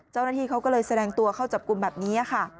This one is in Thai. เจ้าหน้าที่เขาก็เลยแสดงตัวเข้าจับกลุ่มแบบนี้ค่ะ